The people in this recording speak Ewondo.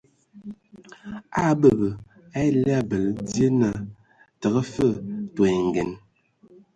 A a abəbə a ele abəl dzie naa tǝgə fəg ai tɔ ngǝŋ.